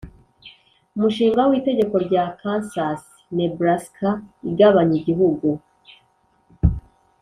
umushinga w'itegeko rya kansas-nebraska igabanya igihugu